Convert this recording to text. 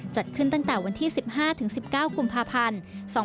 จัดขึ้นตั้งแต่วันที่๑๕๑๙กุมภาพันธ์๒๕๖๒